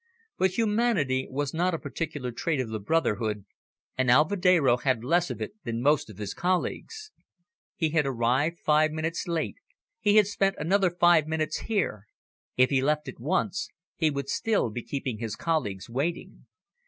But humanity was not a particular trait of the brotherhood, and Alvedero had less of it than most of his colleagues. He had arrived five minutes late, he had spent another five minutes here. If he left at once, he would still be keeping his colleagues waiting.